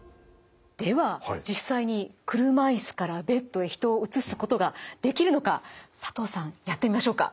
では実際に車いすからベッドへ人を移すことができるのか佐藤さんやってみましょうか。